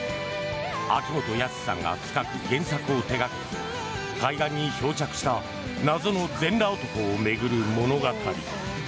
秋元康さんが企画・原作を手がけた海岸に漂着した謎の全裸男を巡る物語。